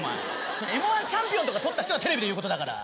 それＭ−１チャンピオンとか獲った人がテレビで言うことだから。